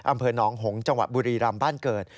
อำเภอหนองหงษ์จังหวัดบุรีรำบ้านเกิด